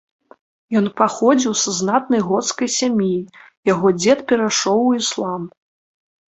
Ён паходзіў са знатнай гоцкай сям'і, яго дзед перайшоў у іслам.